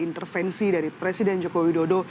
intervensi dari presiden joko widodo